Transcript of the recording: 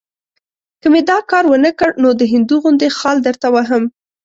که مې دا کار ونه کړ، نو د هندو غوندې خال درته وهم.